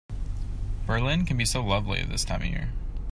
Berlin can be so lovely this time of year.